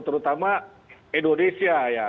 terutama indonesia ya